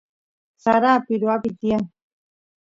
sara pirwapi tiyan